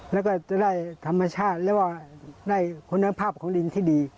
แล้วก็จะได้ธรรมชาติแล้วก็ได้คุณภาพของลิงที่ดี